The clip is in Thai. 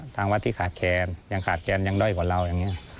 ทางวัดที่ขาดแค้นยังขาดแคนยังด้อยกว่าเราอย่างนี้